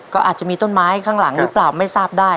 ก็อาจจะมีต้นไม้ข้างหลังหรือเปล่าไม่ทราบได้